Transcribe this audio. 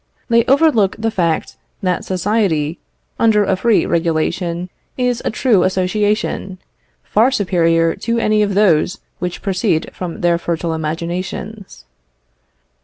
They overlook the fact that society, under a free regulation, is a true association, far superior to any of those which proceed from their fertile imaginations.